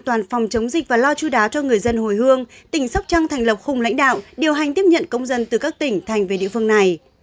an toàn phòng chống dịch và lo chú đáo cho người dân hồi hương tỉnh sóc trăng thành lập khung lãnh đạo điều hành tiếp nhận công dân từ các tỉnh thành về địa phương này